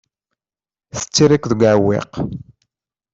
Tettarra-k deg uɛewwiq.